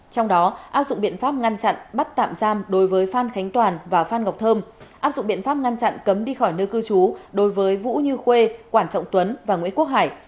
trong đó áp dụng biện pháp ngăn chặn bắt tạm giam đối với phan khánh toàn và phan ngọc thơm áp dụng biện pháp ngăn chặn cấm đi khỏi nơi cư trú đối với vũ như khuê quản trọng tuấn và nguyễn quốc hải